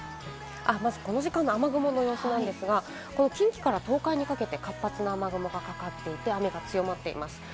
まずこの時間の雨雲の様子なんですが、近畿から東海にかけて活発な雨雲がかかっていて、雨が強まっています。